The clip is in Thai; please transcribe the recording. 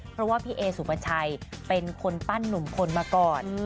เพราะว่าพี่เอสุปชัยเป็นคนปั้นหนุ่มคนมาก่อน